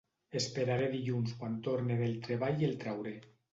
Esperaré dilluns quan torne del treball i el trauré.